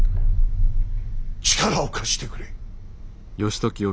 力を貸してくれ。